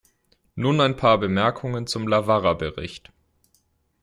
Nun ein paar Bemerkungen zum Lavarra-Bericht.